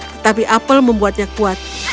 tetapi apel membuatnya kuat